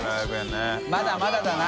まだまだだな。